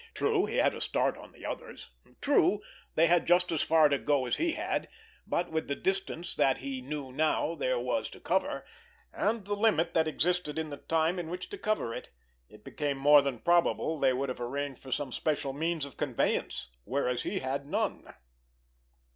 True, he had a start on the others; true, they had just as far to go as he had, but with the distance that he knew now there was to cover, and the limit that existed in the time in which to cover it, it became more than probable they would have arranged for some special means of conveyance, whereas he had none.